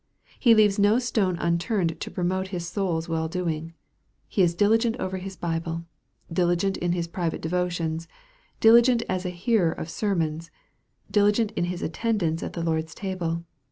He leaves no stone un turned to promote his soul's well doing. He is diligent over his Bible, diligent in his private devotions, diligent as a hearer of sermons, diligent in his attendance at the Lord's table.